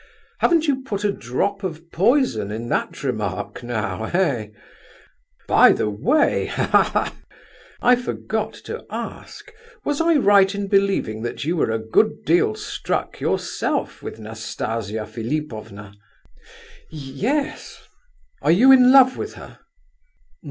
Haven't you put a drop of poison in that remark now, eh? By the way—ha, ha, ha!—I forgot to ask, was I right in believing that you were a good deal struck yourself with Nastasia Philipovna." "Ye yes." "Are you in love with her?"